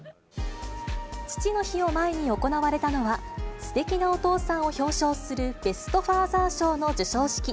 父の日を前に行われたのは、すてきなお父さんを表彰するベスト・ファーザー賞の授賞式。